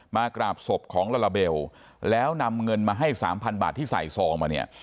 กราบศพของลาลาเบลแล้วนำเงินมาให้สามพันบาทที่ใส่ซองมาเนี่ย